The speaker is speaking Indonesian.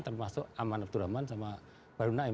termasuk aman abdurrahman sama baru naim